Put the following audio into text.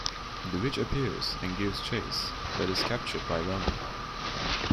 The witch appears and gives chase, but is captured by Velma.